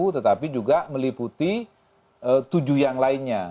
tetapi juga meliputi tujuh yang lainnya